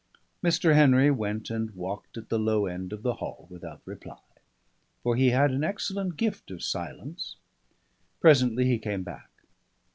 Mr. Henry went and walked at the low end of the hall without reply; for he had an excellent gift of silence. Presently he came back.